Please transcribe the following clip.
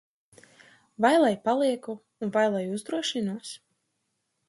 Vai lai palieku un vai lai uzdrošinos?